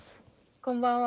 こんばんは。